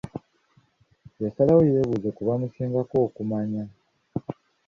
Yasalawo yeebuuze ku bamusingako okumanya.